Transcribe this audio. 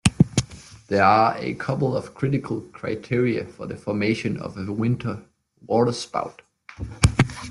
There are a couple of critical criteria for the formation of a winter waterspout.